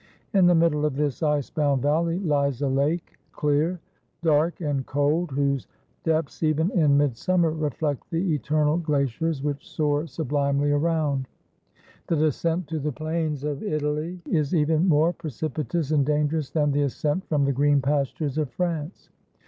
In the middle of this ice bound valley lies a lake, clear, dark, and cold, whose ii6 WHEN NAPOLEON CROSSED THE ALPS depths, even in midsummer, reflect the eternal glaciers which soar sublimely around. The descent to the plains of Italy is even more precipitous and dangerous than the ascent from the green pastures of France.